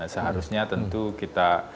seharusnya tentu kita